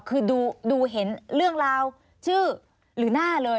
คือดูเห็นเรื่องราวชื่อหรือหน้าเลย